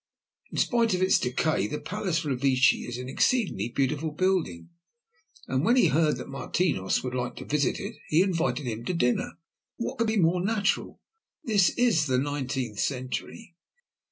In spite of its decay, the Palace Revecce is an exceedingly beautiful building, and when he heard that Martinos would like to visit it, he invited him to dinner. What could be more natural? This is the nineteenth century!"